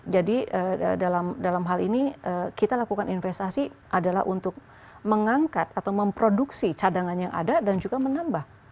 jadi dalam hal ini kita lakukan investasi adalah untuk mengangkat atau memproduksi cadangan yang ada dan juga menambah